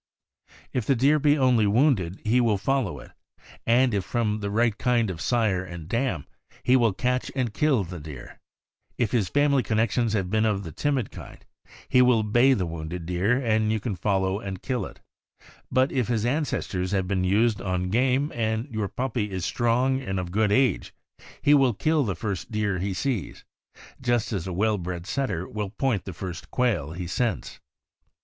If the deer be only wounded, he will follow it, and if from the right kind of sire and dam, he will catch and kill the deer. If his family connections have been of the timid kind, he will bay the wounded deer, and you can follow and kill it; but if his ancestors have been used on game, and your puppy is strong and of good age, he will kill the first deer he sees — just as a well bred Setter will point the first quail he scents.